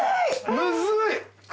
むずい！